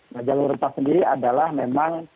nah jalur rempah sendiri adalah memang